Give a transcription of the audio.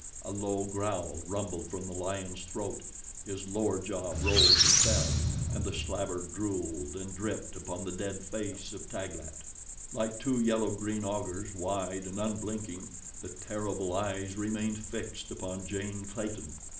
A low growl rumbled from the lion's throat. His lower jaw rose and fell, and the slaver drooled and dripped upon the dead face of Taglat. Like two yellow green augurs, wide and unblinking, the terrible eyes remained fixed upon Jane Clayton.